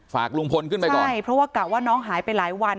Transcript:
ฝากลุงพลขึ้นไปก่อนใช่เพราะว่ากะว่าน้องหายไปหลายวัน